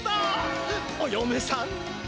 およめさん！